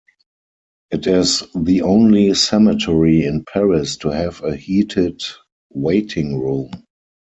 It is the only cemetery in Paris to have a heated waiting-room.